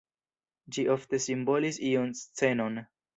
Ĝi ofte simbolis iun scenon.